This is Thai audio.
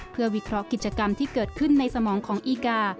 เพื่อวิเคราะห์กิจกรรมที่เกิดขึ้นในสมองของอีกา